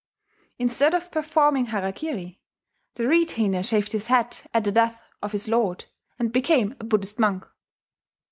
Instead of performing harakiri, the retainer shaved his head at the death of his lord, and became a Buddhist monk.